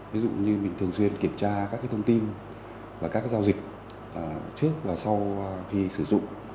ví dụ như mình thường xuyên kiểm tra các thông tin và các giao dịch trước và sau khi sử dụng